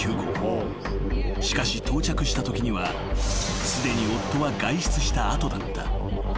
［しかし到着したときにはすでに夫は外出した後だった］